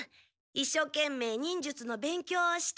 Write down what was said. いっしょうけんめい忍術の勉強をして。